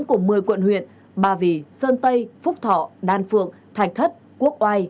của một mươi quận huyện ba vì sơn tây phúc thọ đan phượng thạch thất quốc oai